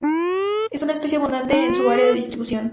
Es una especie abundante en su área de distribución.